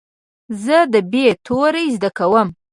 زه د "ب" توری زده کوم.